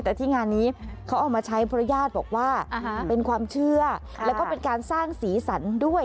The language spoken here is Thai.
แต่ที่งานนี้เขาเอามาใช้เพราะญาติบอกว่าเป็นความเชื่อแล้วก็เป็นการสร้างสีสันด้วย